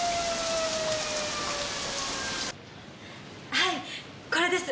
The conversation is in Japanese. はいこれです。